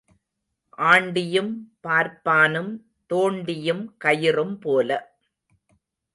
ஆண்டியும் பார்ப்பானும் தோண்டியும் கயிறும் போல.